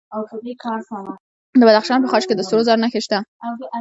د بدخشان په خاش کې د سرو زرو نښې شته.